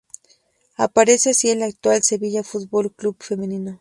Aparece así el actual "Sevilla Fútbol Club Femenino".